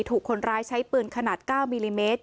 ถูกคนร้ายใช้ปืนขนาด๙มิลลิเมตร